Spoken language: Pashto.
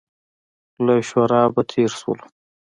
له شورابه تېر شولو.